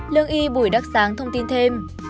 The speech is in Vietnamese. lương y bùi đất sáng thông tin thêm